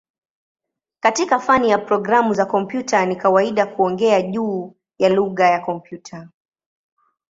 Katika fani ya programu za kompyuta ni kawaida kuongea juu ya "lugha ya kompyuta".